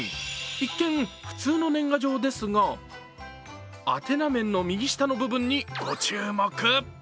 一見、普通の年賀状ですが宛名面の右下の部分にご注目。